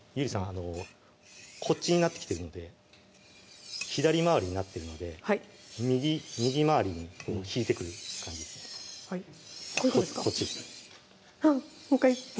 あのこっちになってきてるので左回りになってるので右回りに引いてくる感じはいこういうことですか？